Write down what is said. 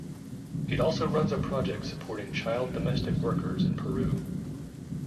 It also runs a project supporting child domestic workers in Peru.